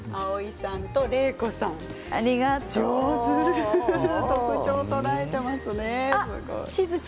上手、特徴を捉えていますね。